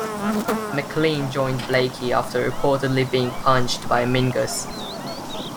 McLean joined Blakey after reportedly being punched by Mingus.